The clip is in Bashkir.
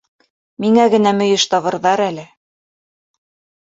Миңә генә мөйөш табырҙар әле.